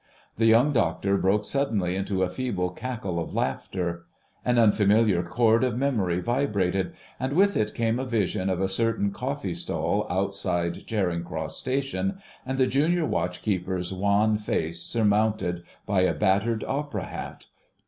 The Young Doctor broke suddenly into a feeble cackle of laughter. An unfamiliar chord of memory vibrated, and with it came a vision of a certain coffee stall outside Charing Cross Station and the Junior Watch keeper's wan face surmounted by a battered opera hat.